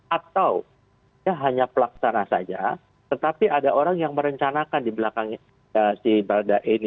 atau ya hanya pelaksana saja tetapi ada orang yang merencanakan di belakang si balda ini